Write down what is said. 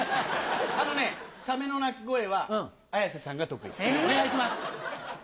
あのねサメの鳴き声は綾瀬さんが得意お願いします。